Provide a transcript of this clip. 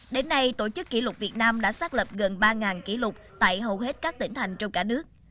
đến nay tổ chức kỷ lục việt nam đã xác lập gần ba kỷ lục tại hầu hết các tỉnh thành trong cả nước